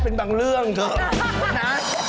เป็นบางเรื่องเถอะนะ